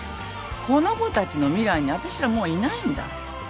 この子たちの未来にあたしらもういないんだ